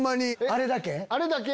あれだけ？